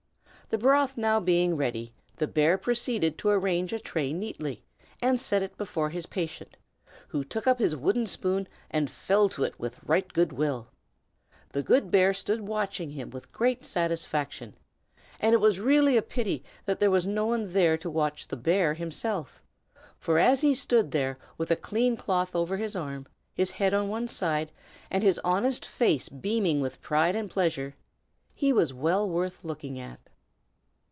The broth being now ready, the bear proceeded to arrange a tray neatly, and set it before his patient, who took up his wooden spoon and fell to with right good will. The good bear stood watching him with great satisfaction; and it was really a pity that there was no one there to watch the bear himself, for as he stood there with a clean cloth over his arm, his head on one side, and his honest face beaming with pride and pleasure, he was very well worth looking at.